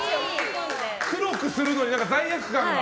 黒くするのに罪悪感が。